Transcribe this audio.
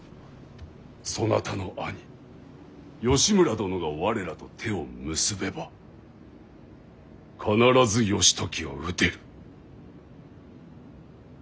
そなたの兄義村殿が我らと手を結べば必ず義時を討てる。